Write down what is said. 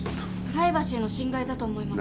プライバシーの侵害だと思いま。